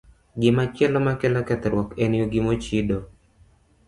Gimachielo makelo kethruok en yugi mochido.